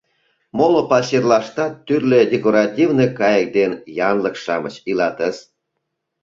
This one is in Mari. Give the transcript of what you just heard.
Моло пачерлаштат тӱрлӧ декоративный кайык ден янлык-шамыч илатыс.